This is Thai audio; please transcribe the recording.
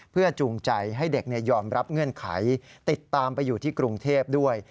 เพื่อจูงใจให้เด็กยอมรับเงื่อนไขติดตามไปอยู่ที่กรุงเทพด้วย